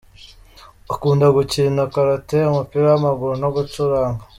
Akunda gukina karate, umupira w’amaguru no gucuranga.